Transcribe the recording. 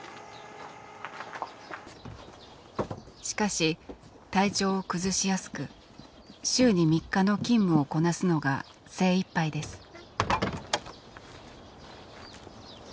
しかし体調を崩しやすく週に３日の勤務をこなすのが精いっぱいです。